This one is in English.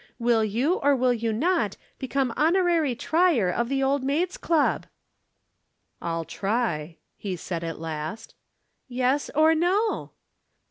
Will you, or will you not, become Honorary Trier of the Old Maids' Club?" "I'll try," he said at last. "Yes or no?"